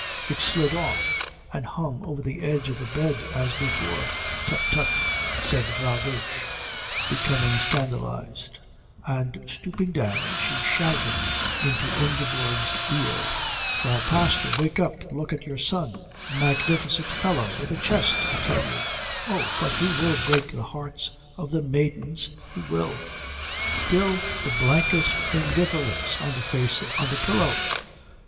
It slid off and hung over the edge of the bed as before. "Tut, tut!" said Frau Dosch, becoming scandalised: and stooping down she shouted into Ingeborg's ear: "Frau Pastor wake up look at your son a magnificent fellow with a chest, I tell you oh, but he will break the hearts of the maidens he will " Still the blankest indifference on the face on the pillow.